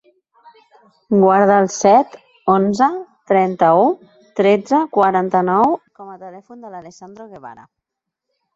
Guarda el set, onze, trenta-u, tretze, quaranta-nou com a telèfon de l'Alessandro Guevara.